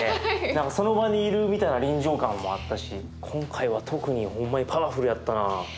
何かその場にいるみたいな臨場感もあったし今回は特にほんまにパワフルやったな。